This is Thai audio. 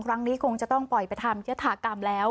ครั้งนี้คงจะต้องปล่อยไปทำยธากรรมแล้ว